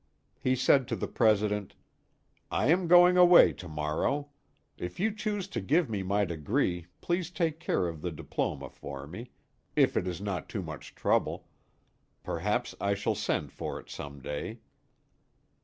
He said to the President: "I am going away to morrow. If you choose to give me my degree please take care of the diploma for me, if it is not too much trouble. Perhaps I shall send for it some day."